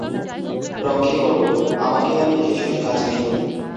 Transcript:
রক্ষে করো, আমাকে আর দেখে শুনে কাজ নেই।